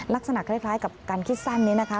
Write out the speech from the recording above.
ลักษณะคล้ายกับการคิดสั้นนี้นะคะ